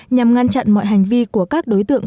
nhằm ngăn chặn mọi hành vi của các đối tượng